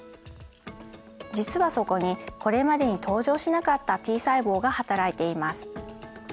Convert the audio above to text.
実はそこにこれまでに登場しなかったＴ細胞がはたらいています。